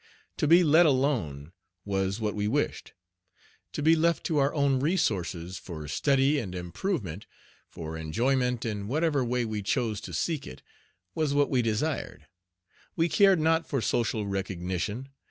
"To be let alone" was what we wished. To be left to our own resources for study and improvement, for enjoyment in whatever way we chose to seek it, was what we desired. We cared not for social recognition.